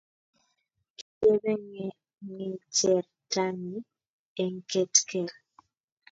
kitebe ng'echertanyin eng ket keel